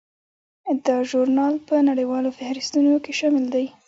دا ژورنال په نړیوالو فهرستونو کې شامل دی.